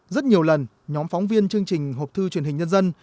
rất nhiều lần nhóm phóng viên chương trình hộp thư truyền hình nhân dân